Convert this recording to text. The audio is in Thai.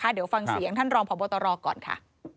เดี๋ยวฟังเสียงท่านรองพบตรก่อนค่ะ